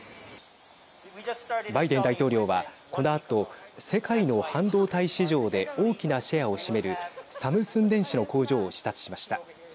バイデン大統領はこのあと、世界の半導体市場で大きなシェアを占めるサムスン電子の工場を視察しました。